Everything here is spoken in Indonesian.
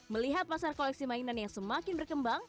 melihat pasar koleksi mainan yang semakin berkembang